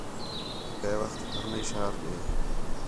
کَئے وخت ہِرنائی شہر ݙے